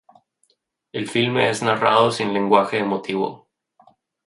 El filme es narrado sin lenguaje emotivo.